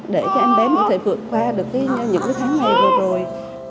để cho em bé mình có thể vượt qua những tháng ngày vừa rồi